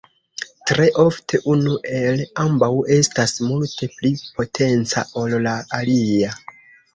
Tre ofte unu el ambaŭ estas multe pli potenca, ol la alia.